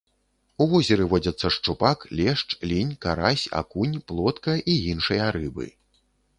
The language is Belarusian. У возеры водзяцца шчупак, лешч, лінь, карась, акунь, плотка і іншыя рыбы.